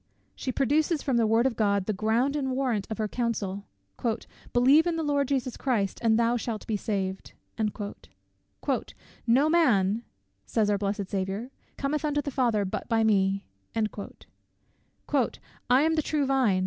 She produces from the Word of God the ground and warrant of her counsel; "Believe in the Lord Jesus Christ, and thou shalt be saved." "No man," says our blessed Saviour, "cometh unto the Father but by me." "I am the true Vine.